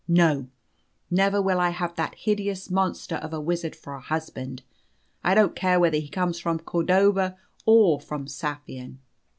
No, never will I have that hideous monster of a wizard for a husband. I don't care whether he comes from Cordova or from Saffian."